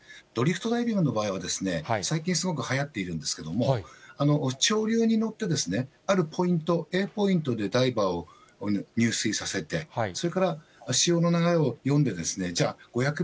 ドリフトダイビングの場合は、最近すごくはやっているんですけれども、潮流に乗ってあるポイント、Ａポイントでダイバーを入水させて、それから潮の流れを読んで、じゃあ５００